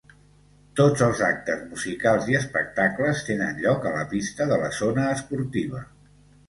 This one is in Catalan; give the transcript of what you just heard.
Tots els actes musicals i espectacles tenen lloc a la pista de la zona esportiva.